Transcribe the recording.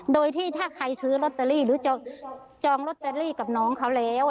โดยที่ถ้าใครซื้อลอตเตอรี่หรือจองลอตเตอรี่กับน้องเขาแล้ว